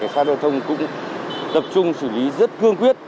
xa đoàn thông cũng tập trung xử lý rất cương quyết